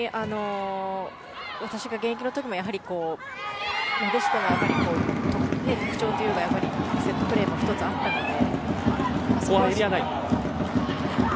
私が現役の時も、なでしこの特徴というのがセットプレーと１つあったので。